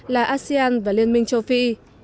là asean và liên minh châu phi